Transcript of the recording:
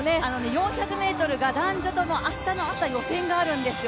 ４００ｍが男女とも明日の朝予選があるんですよ。